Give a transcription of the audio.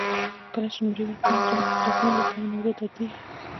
کله چې نمرې ورکوم زړه مې د زده کوونکو له کمو نمرو دردېږي.